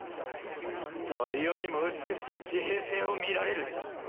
あんたは世にも美しい地平線を見られるよ。